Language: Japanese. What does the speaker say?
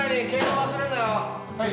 はい。